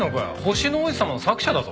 『星の王子さま』の作者だぞ？